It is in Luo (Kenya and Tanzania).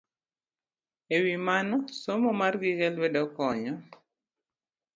E wi mano, somo mar gige lwedo konyo e